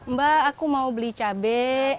mbak aku mau beli cabai